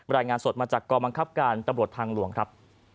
รายงานสดมาจากกองบังคับการตำรวจทางหลวงครับ